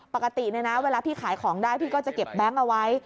ปกติเนี่ยนะเวลาพี่ขายของได้พี่ก็จะเก็บแบงค์เอาไว้